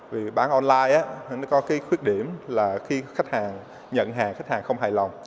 vì bán online nó có cái khuyết điểm là khi khách hàng nhận hàng khách hàng không hài lòng